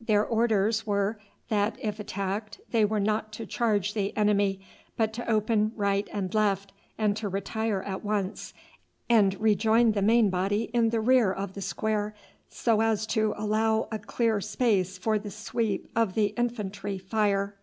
Their orders were that if attacked they were not to charge the enemy, but to open right and left and to retire at once and rejoin the main body in the rear of the square, so as to allow a clear space for the sweep of the infantry fire.